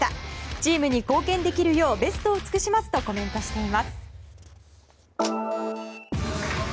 チームに貢献できるようベストを尽くしますとコメントしています。